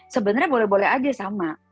sebenarnya boleh boleh aja sama